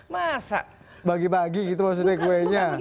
masa bagi bagi gitu maksudnya